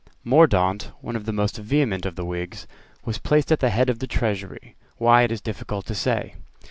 Mordaunt, one of the most vehement of the Whigs, was placed at the head of the Treasury; why, it is difficult to say.